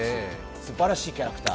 すばらしいキャラクター。